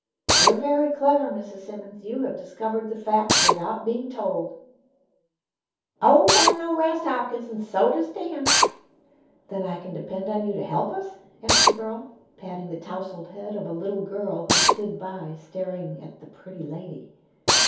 "You're very clever, Mrs. Simmons. You have discovered the fact without being told." "Oh, I know 'Rast Hopkins, an' so does Dan." "Then I can depend on you to help us?" asked the girl, patting the tousled head of a little girl who stood by staring at "the pretty lady."